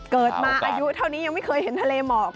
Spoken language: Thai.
เกิดมาอายุเท่านี้ยังไม่เคยเห็นทะเลหมอก